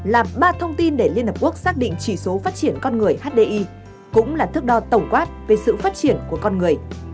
làm ba thông tin để liên hợp quốc xác định chỉ số phát triển con người hdi cũng là thước đo tổng quát về sự phát triển của con người